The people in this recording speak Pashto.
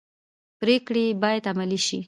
پریکړې باید عملي شي